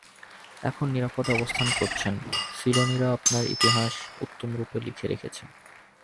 এখন নিরাপদে অবস্থান করছেন! সিলোনীরা আপনাদের ইতিহাস উত্তমরূপে লিখে রেখেছে।